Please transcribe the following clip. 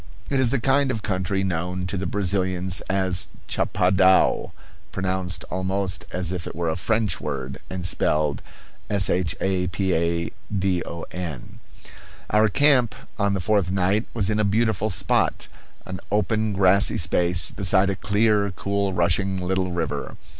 It is the kind of country known to the Brazilians as chapadao pronounced almost as if it were a French word and spelled shapadon. Our camp on the fourth night was in a beautiful spot, an open grassy space, beside a clear, cool, rushing little river.